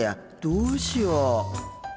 どうしよう。